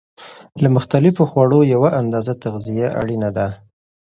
له مختلفو خوړو یوه اندازه تغذیه اړینه ده.